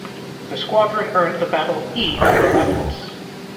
The squadron earned the Battle "E" for their efforts.